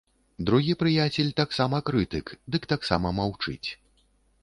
Другі прыяцель таксама крытык, дык таксама маўчыць.